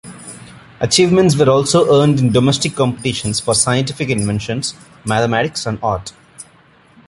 Achievements were also earned in domestic competitions for scientific inventions, mathematics and art.